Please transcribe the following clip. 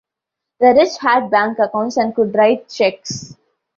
The rich had bank accounts and could write cheques.